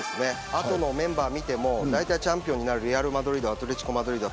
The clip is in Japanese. あとのメンバー見てもだいたいチャンピオンになるレアル・マドリードアトレティコ・マドリード